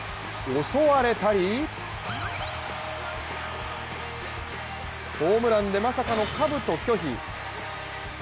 襲われたりホームランでまさかのかぶと拒否。